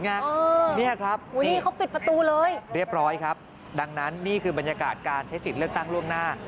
นี่ครับนี่เขาปิดประตูเลยเรียบร้อยครับดังนั้นนี่คือบรรยากาศการใช้สิทธิ์เลือกตั้งล่วงหน้า